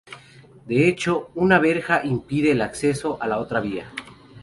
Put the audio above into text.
De hecho, una verja impide el acceso a la otra vía.